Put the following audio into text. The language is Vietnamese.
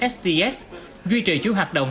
sts duy trì chú hoạt động